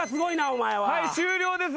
はい終了です。